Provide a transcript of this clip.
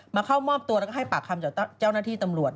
เข้ามอบตัวแล้วก็ให้ปากคำจากเจ้าหน้าที่ตำรวจ